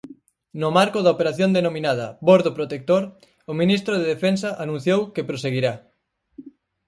No marco da operación denominada 'Bordo Protector' o ministro de Defensa anunciou que "proseguirá".